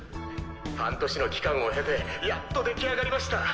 半年の期間を経てやっとできあがりました！